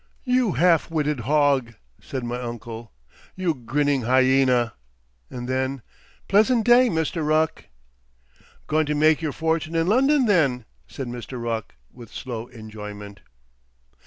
"You half witted hog!" said my uncle. "You grinning hyaena"; and then, "Pleasant day, Mr. Ruck." "Goin' to make your fortun' in London, then?" said Mr. Ruck, with slow enjoyment.